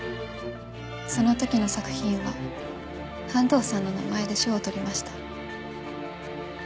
その時の作品は安藤さんの名前で賞を取りました。